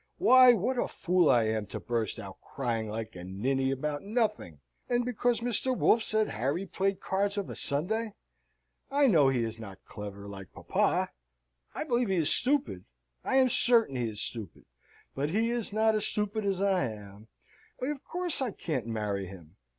Why, what a fool I am to burst out crying like a ninny about nothing, and because Mr. Wolfe said Harry played cards of a Sunday! I know he is not clever, like papa. I believe he is stupid I am certain he is stupid: but he is not so stupid as I am. Why, of course, I can't marry him.